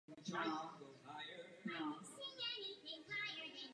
Vysoké polohy Bavorského lesa a Alp.